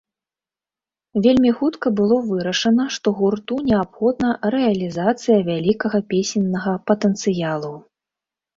Вельмі хутка было вырашана, што гурту неабходна рэалізацыя вялікага песеннага патэнцыялу.